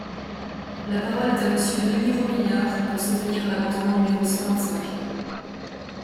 La parole est à Monsieur Denys Robiliard, pour soutenir l’amendement numéro cent vingt-cinq.